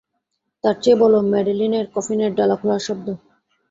তার চেয়ে বলো মেডেলিনের কফিনের ডালা খোলার শব্দ।